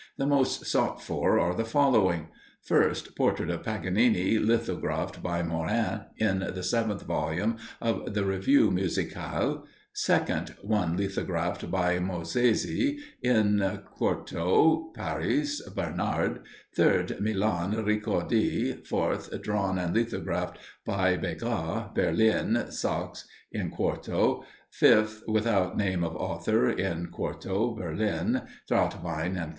The most sought for are the following: 1st. Portrait of Paganini, lithographed by Maurin, in the 7th volume of the Revue Musicale; 2nd, one lithographed by Mauzaise, in 4to, Paris, Bénard; 3rd, Milan, Ricordi; 4th, drawn and lithographed by Begas, Berlin, Sachse, in 4to; 5th, without name of author, in 4to, Berlin, Trautwein and Co.